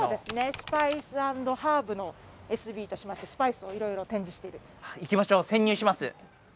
スパイス＆ハーブのエスビーとしましてスパイスを色々展示している行きましょう潜入します